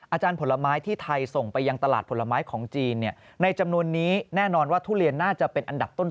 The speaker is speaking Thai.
ผลไม้ที่ไทยส่งไปยังตลาดผลไม้ของจีนในจำนวนนี้แน่นอนว่าทุเรียนน่าจะเป็นอันดับต้น